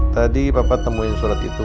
tadi bapak temuin surat itu